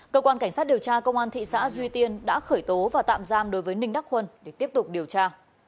cơ quan cảnh sát điều tra công an thị xã duy tiên đã khởi tố và tạm giam đối với ninh đắc huân để tiếp tục điều tra